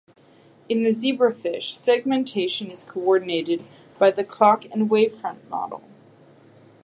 In the zebrafish, segmentation is coordinated by the clock and wavefront model.